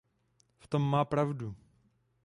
V tom má pravdu.